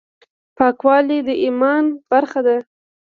پاکوالي د ايمان برخه ده.